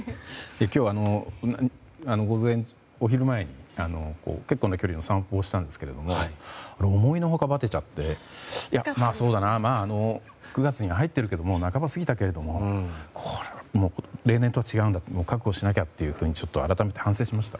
今日、お昼前に結構な距離の散歩をしたんですが思いの外、ばてちゃって９月には入ってるけど半ばは過ぎたけどこれは、例年とは違うんだ覚悟しなきゃって改めて反省しました。